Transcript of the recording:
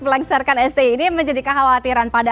melengsarkan sti ini menjadi kekhawatiran pada